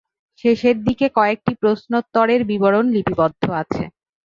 শেষের দিকে কয়েকটি প্রশ্নোত্তরের বিবরণ লিপিবদ্ধ আছে।